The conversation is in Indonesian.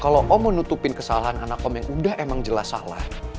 kalau om mau nutupin kesalahan anak om yang udah emang jelas salah